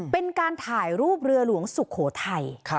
เป็นการถ่ายรูปเรือหลวงสุโขทัย